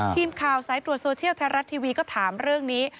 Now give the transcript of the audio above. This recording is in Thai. ทีมข่าวสายตรวจโซเชียลไทยรัฐทีวีก็ถามเรื่องนี้